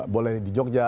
boleh di jogja